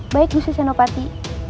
baik bu susino pati